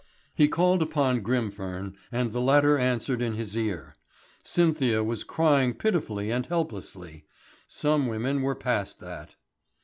He called upon Grimfern, and the latter answered in his ear. Cynthia was crying pitifully and helplessly. Some women there were past that.